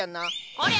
こりゃ！